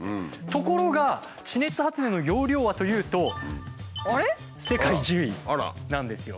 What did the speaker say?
ところが地熱発電の容量はというと世界１０位なんですよ。